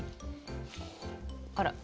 あら？